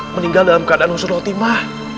meninggal dalam keadaan usul ultimah